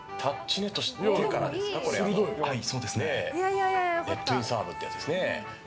ネットインサーブというやつですね。